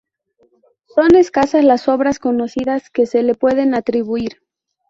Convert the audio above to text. Son escasas las obras conocidas que se le pueden atribuir.